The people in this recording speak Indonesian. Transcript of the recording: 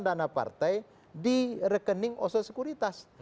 dana partai di rekening oso sekuritas